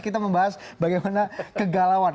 kita membahas bagaimana kegalauan